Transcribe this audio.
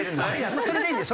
それでいいんです。